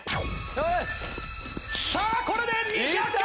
さあこれで２００回！